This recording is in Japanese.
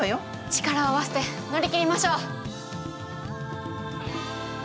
力を合わせて乗り切りましょう！